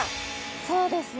そうですね。